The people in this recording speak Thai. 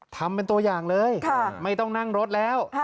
ทำเป็นตัวอย่างเลยไม่ต้องนั่งรถแล้ว